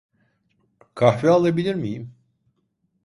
Kahve alabilir miyim?